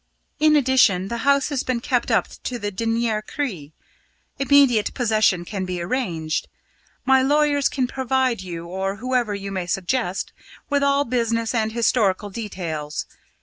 In addition, the house has been kept up to the dernier cri. Immediate possession can be arranged. My lawyers can provide you, or whoever you may suggest, with all business and historical details.